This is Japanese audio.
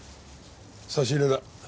差し入れだ。